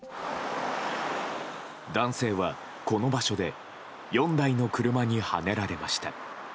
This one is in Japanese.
男性は、この場所で４台の車にはねられました。